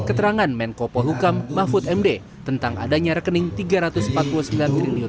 keterangan menko polhukam mahfud md tentang adanya rekening rp tiga ratus empat puluh sembilan triliun